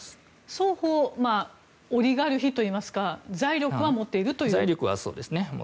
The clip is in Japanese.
双方オリガルヒといいますか財力は持っています。